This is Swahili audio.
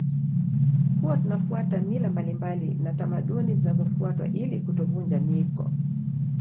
Huwa tunafuata mila mbalimbali na tamaduni zinazofuatwa ili kutovunja miiko